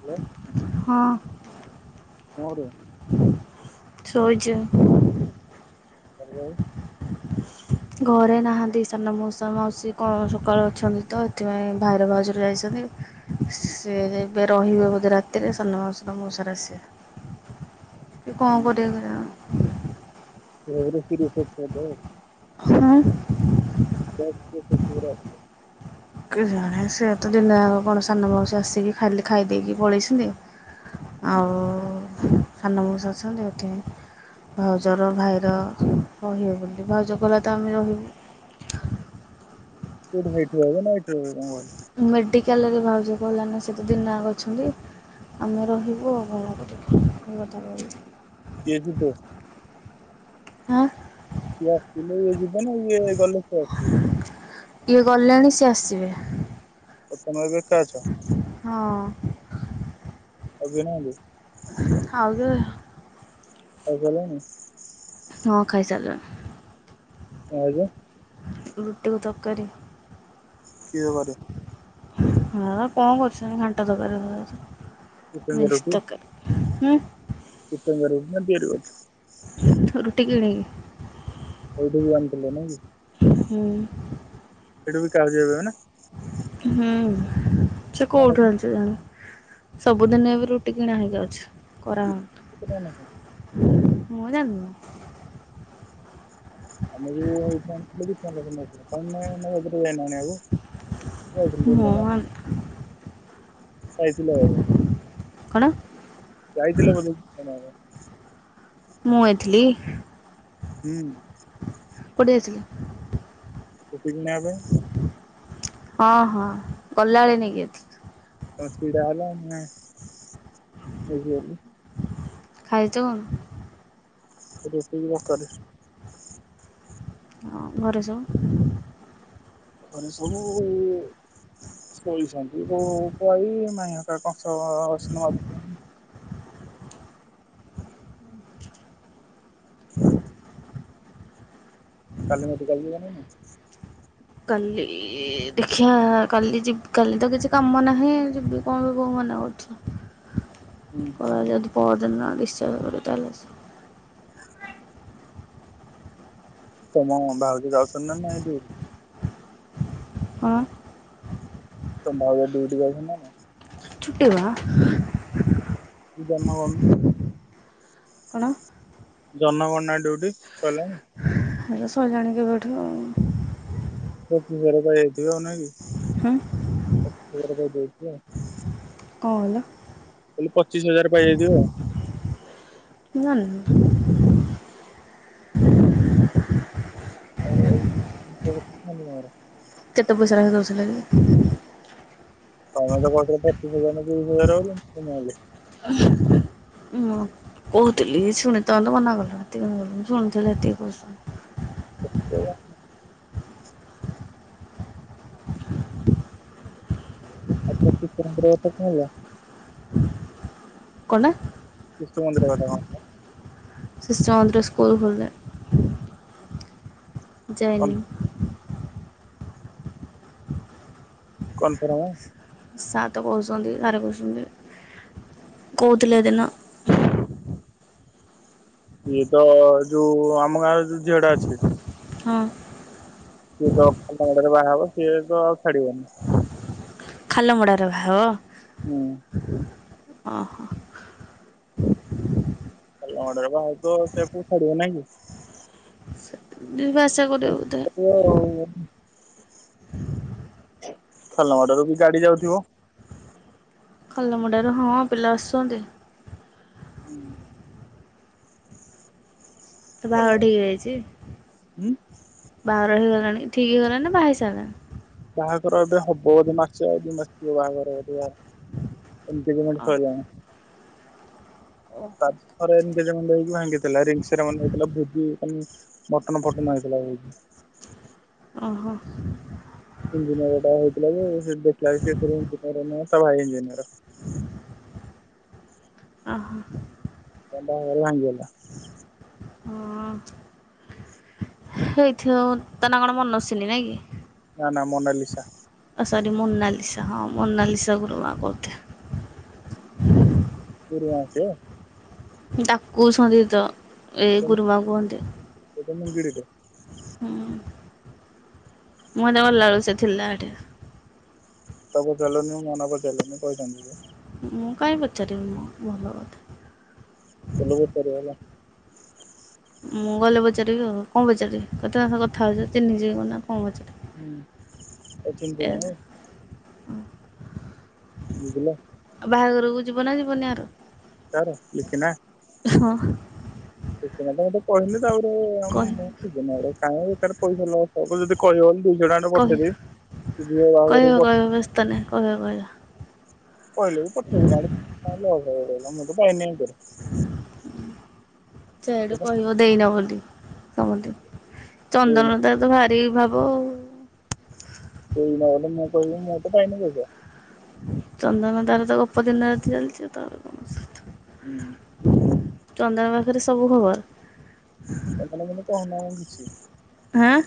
Hello. ହଁ। ହଁରେ। ଶୋଇଚି। ହାଲୋ। ଘରେ ନାହାନ୍ତି ସାନ ମଉସା ମାଉସୀ କଣ ସକାଳୁ ଅଛନ୍ତି ତ ହେଥିପାଇଁ ଭାଇର ଭାଉଜର ଯାଇଛନ୍ତି। ସିଏ ଏବେ ରହିବେ ବୋଧେ ରାତିରେ ସାନ ମାଉସି ର ମଉସାର ଆସିବେ। [inaudible] ଏ କଣ କରିବ କେଯାଣୀ। [unintelligible] ହଁ। [unintelligible] କେଜାଣେ ସେ ତ ଦିନେ କଣ ସାନ ମାଉସୀ ଆସିକି ଖାଲି ଖାଇ ଦେଇକି ପଳେଇଛନ୍ତି। ଆଉ ସାନ ମଉସା ଅଛନ୍ତି ହେଠି। ଭାଉଜର ଭାଇର ରହିବେ ବୋଲି ଭାଉଜ କଲା ତ ଆମେ ରହିବୁ। ହେଇଠୁ ରହିବେନା ଏଠି ରହିବେ କଣ କହିକେ? [unintelligible] ମେଡ଼ିକାଲରେ ଭାଉଜ ଗଲାଣି ନା ସେତ ଦିନ ଜାକ ଅଛନ୍ତି। ଆମେ ରହିବୁ ଆଉ [unintelligible] ଇଏ ଜିବେ? ହାଁ ସିଏ ଆସିଲେ ଇଏ ଯିବେ ନା ଇଏ ଗଲେ ସିଏ ଆସିବେ। ଇଏ ଗଲେଣି ସିଏ ଆସିବେ। ଓ ତୁମେ ଏବେ ଏକା ଅଛ? ହଁ। ଆଉ କିଏ ନାହାନ୍ତି? ଖାଉଜ ଖାଇ ସାରିଲେଣି? ହଁ ଖାଇ ସାରିଲଣି। ଆଜ୍ଞା ରୁଟି ଆଉ ତରକାରୀ। କି‌ ତକାରି? ହଁ କଣ କରୁଛନ୍ତି ଘାଣ୍ଟ ତରକାରୀ ଫକାରି ଚିକେନ ମିସ୍ ତକାରୀ। ହୁଁ କିତନିଆ ରୁହନ୍ତି ନା କିଏ ରୁହନ୍ତି? ରୁଟି କିଣି କି। ଏଇଠୁ ବି ଆଣିଥିଲ ନାଇଁ କି? ହୁଁ ଏଠୁ ବି କାର୍ଯ୍ୟ ହୁଏନା? ହୁଁ ସେ କେତେ କୋଉଠୁ ଆଣିଛି ଜାଣି ସବୁଦିନ ଏବେ ରୁଟି କିଣା ହେଇକି ଆଉଛି କରା ଟଙ୍କା ଲେଖା ହଉନି। ମୁଁ ଜାଣିନି। [unintelligible] ମୁଁ [unintelligible] ପାଇଥିଲ ବୋଧେ? କଣ? ଯାାଇଥିଲ ବୋଧେ [unintelligible] ମୁଁ ଆଇଥିଲି? ହୁଁ କୋଉଠି ଯାଇଥିଲି? ଦିନା ପାଇଁ। ହଁ ହଁ ଗଲାଏଳେ ନେଇକି ଯାଇଥିଲ ଅସୁବିଧା ହେଲା ମାନେ ଏଇଠି ରହିଲି। ଖାଇଚ କଣ? [unintelligible] ହଁ ଘରେ ସବୁ ଘରେ ସବୁ ଶୋଇଛନ୍ତି ମୁଁ କହି ମାଇଁୟ। କଂସଭ ସ୍ନୁ ମଇ ହୁଁ କାଲି ମେଡିକାଲ୍ ଜୀବନୀ କି? କାଲି ଦେଖିବା କାଲି ଯିବ କାଲି ତ କିଛି କାମ ନାହିଁ ଯିବି କଣ ବୋଉ ମନା ହୁଁ କରୁ ପରା ଯଦି ପହର ଦିନ ରିସାବ କରିବ ତାହଲେ ଆସି ତମ ଭାଉଜ ଯାଉଛନ୍ତି ନା ନାଇଁ ହେଠିକି? ହଁ। ତମ ଭାଉଜ ଡିଉଟି ଯାଉଛନ୍ତି ନା ନାହିଁ? ଛୁଟି ବା। ତୁ ଜନ ଗଣୁନୁ। କଣ ଜନଗଣନା ଡ୍ୟୁଟି ସରିଲାନି? ହେରା ସାରିଲାଣି କେବେଠୁ ଆଉ ପଚିଶ୍ ହଜାର୍ ପାଇଁ ହେଇଥିବ ନାଇ କି, କଣ ପଚିଶ ହଜାର ଦେଇଥିବ ଆଉ କଣ କହିଲ? ମୁଁ କହିଲି ପଚିଶି ହଜାର୍ ପାଇଯାଇଥିବ। ମୁଁ ଜାଣିନି। [unintelligible] କେତେ ପଇସା ଲେଖା ଦୋଉଥିଲେ କି? ତମେ ତ କହୁଥିଲ ପଚିଶି ହଜାର୍ ନା ତିରିଶି ହଜାର୍ ବୋଲି ନହେଲେ [unintelligible] ମୁଁ କହୁଥିଲି ଶୁଣିଥାନ୍ତ ମନା କଲ ଏତିଶୁଣିଥିଲ ଏତିକି ପଇସା। କେତେ ହେଲା? ଆଉ ତୋ କିତନ କରିବା କଥା କଣ ହେଲା? କଣଟା? ବିଷ୍ଠୁ ମନ୍ଦିର ଘଟଙ୍ଗା ଟା। ଶିଶୁ ମନ୍ଦିର ସ୍କୁଲ୍ ଖୋଲିଲେ, କନ୍ ଯାଇନି। କନ୍ଫର୍ମ? ସାତ୍ କସିଛନ୍ତି ବାର କସିଛନ୍ତି କହୁଥିଲଥିଲେ ହେ ଦିନ। ଇଏ ତ ଯୋଉ ଆମ ଗାଁ ଯୋଉ ଝିଅଟା ଅଛି। ହଁ। ସିଏତ ଖାଲମୋଡାରେ ବାହା ହେବ। ସିଏ ତ ଆଉ ଛାଡ଼ିବନି। ଖାଲମୋଡାରେ ବାହା ହେବ? ହୁଁ। ଓହୋ। ଖାଲମୋଡା ରେ ବାହା ହେଉଥିବ, ସିଏ ଫୁଣି ଛାଡିବ ନା କି? ଯିବା ଆସିବା କରିବ ବୋଧେ। ସିଏ ରହୁନେଇ ଖାଲାମୋଡାରେ ବି ଗାଡ଼ି ଯାଉଥିବ। ଖାଲାମୋଡା ରୁ ହଁ ପିଲା ଆସୁଛନ୍ତି। ହୁଁ ତ ଖାଲ ବାହାଘର ଠିକ୍ ହେଇଯାଇଛି। ଉଁ ବାହାଘର ହେଇଗଲାଣି ଠିକ୍ ହେଇଗଲାଣି ବାହା ହେଇ ସାରିଲାଣି? ବାହାଘର ଏବେ ହବ ମାସେ ଆଉ ଦି ମାସ ଥିବ ବାହାଘର କରିବା। ଏମିତିପେମେଣ୍ଟ୍ ଓ ସଇଲାଣି। ଓ। ତାପରେ ଏଗେଜେମେଣ୍ଟ୍ ହେଇକି ଭାଙ୍ଗିଥିଲା। ରିଂସେରୀମୋନୀ ହେଇଥିଲା ପୁବୁ ମଟନ୍ ଫଟନ୍ ହେଇଥିଲା ବହୁ ଓହୋ। ଇଞ୍ଜିନିଅର ଟା ହେଇଥିଲା ଯେ ଦେଖିଲା ଇଞ୍ଜିନିୟର ନୁହେଁ। ତା ଭାଇ ଇଞ୍ଜିନିଅର। ଓହୋ। ବାହାଘର ଭାଙ୍ଗିଗଲା। ହଁ। ହେଇଥିବଉ ତା ନା କଣ ମନସ୍ଵିନି ନାଇଁ କି? ନା ନା ମୋନାଲିସା। ଓ ସରି ମୋନାଲିସା ହଁ ମୋନାଲିସା ଗୁରୁ ମା ବୋଧେ। ଗୁରୁ ମା ସିଏ? ଡାକୁ ଶନ୍ତି ତ ଏ ଗୁରୁମା କୁହନ୍ତି। ଗିରିଟେ ହୁଁ ମୁଁ ତ ଗଲାବେଳୁ ସେ ଥିଲା ଏଇଠେ। ତମେ ଦେଲନି ମନ ବୁଝେଇଲାନି କହିଛନ୍ତି ଯେ ମୁଁ କାଇଁ ପଚାରିବି ମୁଁ ଭଲ କଥା। ବୁଲିକି ପରିଆଲା। ମୁଁ ଗଲେ ପଚାରିବି ଆଉ। କଣ ପଚାରିବି? କେତେ ଆମେ କଥା ହଉଚେ ଚିହ୍ନି ଯିବ କ ନା କଣ ପଚାରିବି? ହୁଁ ଅଛନ୍ତି ଏୟା ଜଣେ। ବୁଝିଲ? ବାହାଘରୁକୁ ଯିବ ନା ଯିବନି ଆରୁ ତାର ଲିଖି ନା ସଁ ତ ମତେ ଏମତିଆ କହିଲେ ତ ଆଉ ଗୋଟେ କହିବ ମୁଁ ହେଇଯିବ ନହେଡେ କାହିଁକ ଏଥାରେ ପଇସା ଲଗ୍ ଆକୁ ଯେଦି କହିବ ଦୁଇଶହ ଟଙ୍କା ଖଣ୍ଡେ କହିବ ପଠେଇଦେବିି ଯିବ ବାହାଘରୁକୁ ବ ତନେ କଣ କହିଲା? କହିଲେ ବି ପଠଉ ନାହାଡେ କମ୍ ଲସ୍ ହେଲାନି ମୁଁ ତ ପାଇନି [unintelligible] ସେଆଡୁ କହିବ ଦେଇନ ବୋଲି ସମନ୍ତି ଦେଇନ ଚନ୍ଦନର ତାର ତ ଭାରି ଭାବ ଆଉ ଦେଇକି ନ ଗଲେ ମୁଁ କହିଲି ମୁଁ ତ ପାଇନି [unintelligible] ଚନ୍ଦନ ତାର ତ ଗପ ଦିନରାତି ଚାଲଚି ତାର କଣ ଅଛି? ହୁଁ। ଚନ୍ଦନ ପାଖେରେ ସବୁ ଖବର। [unintelligible] କିଛି ହାଁ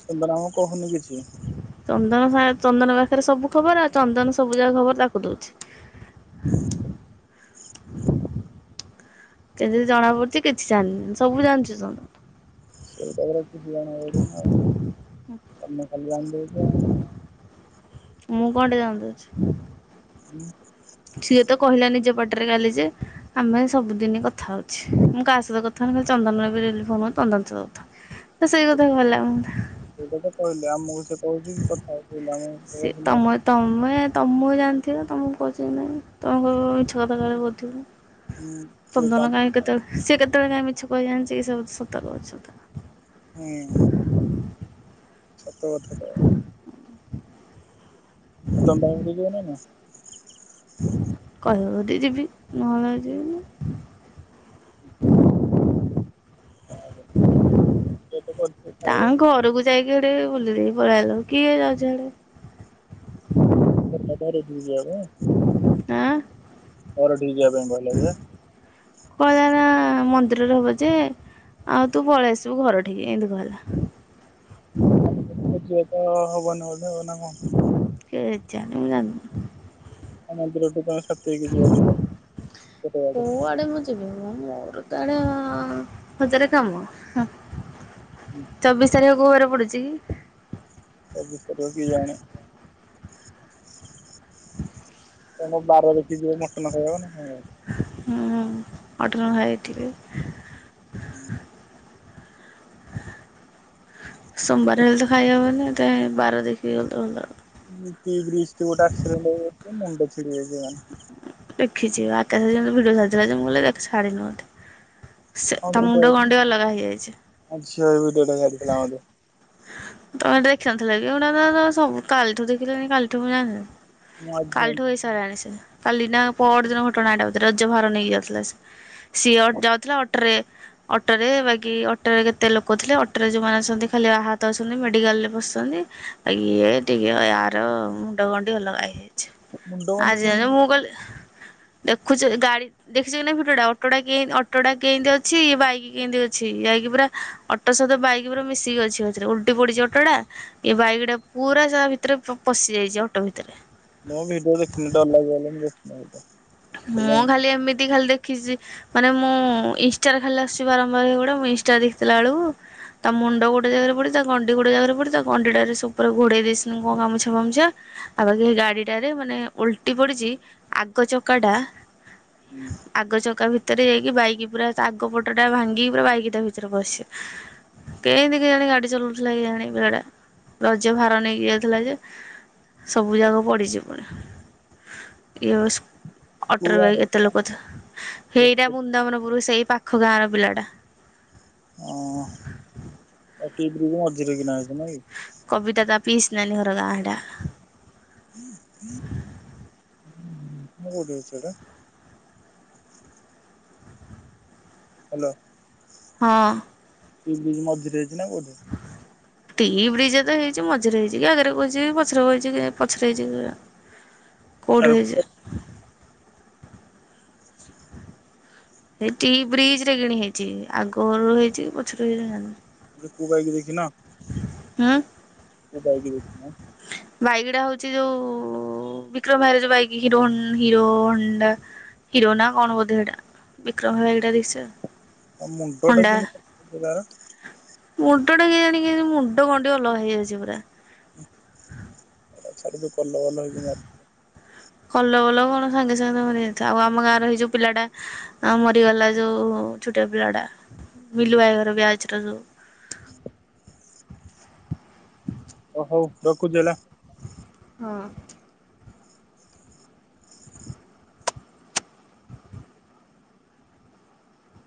ସେମତିଆଟା ଏକା କହୁନି କିଛି। ଚନ୍ଦନ ସାର଼୍ ଚନ୍ଦନ ପାଖେରେ ସବୁ ଖବର ଆଉ ଚନ୍ଦନ ସବୁ ଯାକ ଖବର ତାକୁ ଦଉଚି। ହୁଁ। କେ ଯିଏ ଜଣା ପଡ଼ୁଚି କିଛି ଜାଣିିନି ସବୁ ଜାଣିଚି ଶୁଣୁ ସେଇ ଟାଇମ୍ ରେ କିଛି [unintelligible] ତମେ ଖାଲି ଆଣିଦଉଚ। ମୁଁ କଣ ଟା ଜାଣି ଦଉଛି? ହୁଁ। ସିଏ ତ କହିଲାନି ଯେ ପାଟରେ ଚାଲିଚି। ଆମେ ସବୁଦିନି କଥା ହଉଛିଁ ମୁଁ କାହା ସହିତ କଥା ହଉନି ମୁଁ ଖାଲି ଚନ୍ଦନ ଏବେ ଡେଲି ଫୋନ ହଉଚି ଚନ୍ଦନ ସହ କଥା ହଉଚି। ତ ସେଇ କଥା ଭଲା ମତେ ସେଇଟା ତ କହିଲେ ଆମୁକୁ ସେ କହୁଛି କି କଥ୍ ସିଏ ତମଦ୍ ତମେ ତମକୁ ଜାଣିଥିଲ ତମକୁ କହୁଚି ନାଇଁ ତମ [unintelligible] ମିଛ କଥା କାଳେ କହୁଥିବ? ହୁଁ ସେ ତ ଚନ୍ଦନ କାଇଁ କେତବେଳେ ସିଏ କେତବେଳେ କାଇଁ ମିଛ କହି ଜାଣିଚି କି ସବୁ ସତ କହୁଚି ସତ। ହୁଁ। ସତ କଥା ତ। ଆଉ ତମେ ବାହାଘରୁକୁ ଯିବ ନା ନାଇଁ? କହିବ ଯଦି ଯିବି ନହଲ ନାଇଁ ଯିବି ନି। [unintelligible] ଗେଟ୍ ପଡ୍ ତାଙ୍କ ଘରକୁ ଯାଇକି, ହେଡେ ବୁଲ୍ ଦେଇକି ପଳେଇ ଆଇଲୁ। କିଏ ଯାଉଛି ହିଆଡେ? କରିକିଆ ଧରିକିରି ଯିଆ ପାଇଁ ହର ଠିକି ଯିଆ ପାଇଁ କହି ହୁଁ କହିଲା ନା, ମନ୍ଦିରରେ ହବ ଯେ, ଆଉ ତୁ ପଳେଇ ଆସିବୁ ଘର ଠିକି। ଇଁତି କହିଲା। ମାନେ ସେ ଖୁଯି ବେତ-ଅ ହବନି ବଧେ, ନା ଆଉ କଁ? କେଜାଣି ମୁଁ ଜାନ୍ ଆ ମନ୍ଦିର ଠୁ ତମେ ସାତି ହେଇକି ଯିବ, ଦି ଜଣ ଗୋଟେ ବାଟ୍ ରେ। [unintelligible] ମୋର ତ ଆଡେଁ ହଜାରେ କାମ! ହଁ, ହୁଁ ଚବିଶ ତାରିଖ କଉ ବାରେ ପଡୁଚିକି? ଚବିଶ ତାରିଖ କିଜାଣି? ତମ ବାର ଦେଖି ଯିବ, ମଟନ ଖାଇବ ନା କଣ? ହୁଁ, ଉଁ ଅଟନ ଖାଇଥିବି। ହୁଁ। ସୋମବାର ହେଲେ ତ ଖାଇ ହବନି? ହେତିପାଇଁ ବାର ଦେଖିକି ଗଲେ ତ ଭଲ। ତି ବ୍ରିଜ୍ ଥି ଗୋଟେ ଆକ୍ସିଡେଣ୍ଟ ହେଇଯାଇଛି। ମୁଣ୍ଡ ଛିଡି ଯାଇଛି ମାନେ ଦେଖିଛି ଆକାଶ ଯେମି ଭିଡିଓ ସାରଥିଲା ଯେ, ମୁଁ କହିଲି ଦେଖ୍ ଛାଡି ନି ବଧେ! ସେ ତା ମୁଣ୍ଡ ଗଣ୍ଡିଆ ଲଗା ହେଇଯାଇଛି। ଆ ଝିଅ ଏଇ ଭିଡ଼ିଓ ଟା ଛାଡିଥିଲା ମୋତେ। ତମେ ଦେଖିନଥିଲ କି ଏଗୁଡ଼ାକ? ତ ସବୁ କାଲିଠୁ ଦେଖିଲିଣି କାଲିଠୁ ମୁଁ ଜାଣଲି। ମୁଁ ଆଜି କାଲିଠୁ ଜାଣିଛି ଏଇ ସ ସାରାଣି ସେ, କାଲି ନା ପର ଦିନ ଘଟଣା ଏଇଟା ବଧେ! ରଜ ଭାର ନେଇକି ଯାଉଥିଲା ସେ। ସିଅଟ ଯାଉଥିଲା, ଅଟରେ ଅଟରେ ବାକି ଅଟରେ କେତେ ଲୋକ ଥିଲେ, ଅଟରେ ଯୋଉମାନେ ଅଛନ୍ତି, ଖାଲି ଆହତ ତ ଅଛନ୍ତି ମେଡିକାଲ୍ ରେ ବସଛନ୍ତି। ଇଏ ଟିକେ ୟାର ମୁଣ୍ଡ ଗଣ୍ଡି ଅଲଗା ହେଇଯାଇ ଛି ମୁଣ୍ଡ ବିନ୍ଧୁଛି ଆଜି କିନ୍ତୁ ଆଜି ମୁଁ କହିଲି, ଦେଖୁଛି ଗାଡି ଦେଖିଛ କି ନାଇଁ ଫଟଟା? ଅଟୋଟା କି ଅଟୋଟା କିଁତି ଅଛି, ବାଇକ୍ କିଁତି ଅଛି? ଯାଇକି ପୁରା ଅଟ୍ ଅଟ ସହିତ ବାଇକ୍ ପୁରା ମିଶିକି ଅଛି। ଅ ଛେରେ ଉଲଟି ପଡିଛି ଅଟୋଟା। ଏ ବାଇକ୍ ଟା ପୁରା ତା ଭିତରେ ପଶି ଯାଇଛି ଅଟୋ ଭିତରେ। ମୋ ଭିଡିଓ ଦେଖିନି। ଡରଲାଗିବ ବୋଲି ମୁଁ ଦେଖିନି [inaudible] ମୁଁ ଖାଲି ଏମିତି ଖାଲି ଦେଖ୍ ଖିଛି ମାନେ, ମୁଁ ଇନ୍ଷ୍ଟାରେ ଖାଲି ଆସୁଛି, ବାରମ୍ବାର ହେଇଗୁଡା। ମୁଁ ଇନ୍ଷ୍ଟା ଦେଖିଦେଲା ଅଳକୁ ତା' ମୁଣ୍ଡ ଗୋଟେ ଜାଗାରେ ପଡି, ତା ଗଣ୍ଡି ଗୋଟେ ଜାଗାରେ ପଡି, ତା ଗଣ୍ଡିଟାରେ ସେ, ଉପରେ ଘୋଡେଇ ଦେଇଛନ୍ତି କଣ ଗାମୁଛା ଫାମୁଛା? ଆଉ ବାକି ହେଇ ଗାଡିଟାରେ ମାନେ ଓଲଟି ପଡିଚି, ଆଗ ଚକାଟା। ହୁଁ। ଆଗ ଚକା ଭିତରେ ଯାଇକି, ବାଇକ୍ ପୁରା ତା ଆଗ ପଟଟା ଭାଙ୍ଗିକି, ପୁରା ବାଇକ୍ ତା ଭିତରେ ପସିଛି। କେଁତି କି ଆଣି ଗାଡି ଚଲଉଥିଲା କି ଆଣି ପିଲଟା! ରଜ ଭାର ନେଇକି ଯାଇଥିଲା ଯେ ସବୁ ଯାକ ପଡିିଛି ପୁରା। ଇଏ ସ କୋଉ ଅଟର ଭାଇ ଗାଁରେ କେତେ ଲୋକଥି? ହେଇଟା ବୃନ୍ଦାବନପୁର ସେଇ ପାଖ ଗାଁ ର ପିଲାଟା ହଁ, [unintelligible] ମଝିରେ କିନା ହେଇଛି ନାଇଁ କି? କବିତା ତା' ପିଇସ୍ ନାନୀ ହର ଗାଁ ହେଟା। [inaudible] ଏଟା। ହ୍ୟାଲୋ। ହଁ। [unintelligible] ମଝିରେ ହେଇଛି ନା କୋଉଠେ? ଟି ବ୍ରିଜ ତ ହେଇଛି ମଝିରେ ହେଇଛି କି ଆଗରେ ବଇଛି କି ପଛରେ ବଇଛି ପଛରେ ହେଇଛି ଆରେ କୋଉଠି ହେଇଛି? ସେଇଠି ବ୍ରିଜ ରେ କିଣି ହେଇଛି ଆଗ ରୁ ହେଇଚି କି ପଛରୁ ହେଇଚି ଟୁକୁ ଭାଇ କୁ ଦେଖିନ? ହୁଁ। ମୁଁ କହିଥିଲି ଆ ବାଇଗିଡା ହଉଛି ଯୋଉ ଉଁ ବିକ୍ରମ ଭାଇର ବାଇକି ହିରୋ ହିରୋଅଣ୍ଡା। ହିରୋହଣ୍ଡା କଣ କୋଧେ ହେଟା ବିକ୍ରମ ଭାଇ ଏଟା ଦେଇ ଆଉ ମୁଣ୍ଡ ଟା କେମିତି ତାର ମୁଣ୍ଡ ଟା କେୟାଣୀ ଜାଣିକି ମୁଣ୍ଡ ଗଣ୍ଡି ଅଲଗା ହେଇଯାଇଛି ପୁରା। ଛାଡ ଯୋଉ କଲ ଭଲ ହେଇକି ମର କଲ ଭଲ କଣ ସାଙ୍ଗେ ସାଙ୍ଗେ ମରିଯାଇଥା ଆଉ ଆମ ଗାଁରେ ହେଇ ଯୋଉ ପିଲାଟା। ଆ ମରିଗଲା ଯୋଉ ଛୋଟିଆ ପିଲା ଟା ବିଲୁ ଭାଇର ବ୍ୟାଚ ରୁ ଯୋଉ। ହୁଁ ଓ ହଉ ରଖୁଛି ହେଲା। ହଁ।